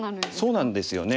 そうなんですよね